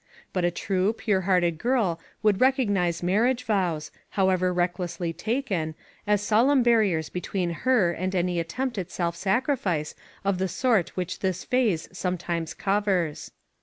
But a true, pure hearted girl would recognize mar riage vows, however recklessly taken, as solemn barriers between her and any attempt at self sacrifice of the sort which this phrase sometimes covers.